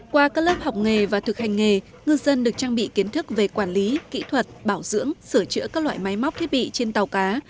qua các lớp học nghề và thực hành nghề ngư dân được trang bị kiến thức về quản lý kỹ thuật bảo dưỡng sửa chữa các loại máy móc thiết bị trên tàu cá